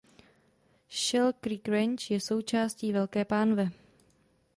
Schell Creek Range je součástí Velké pánve.